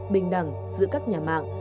bình đẳng giữa các nhà mạng